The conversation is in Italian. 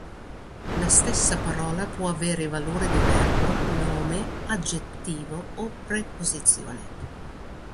La stessa parola può avere valore di verbo, nome, aggettivo o preposizione.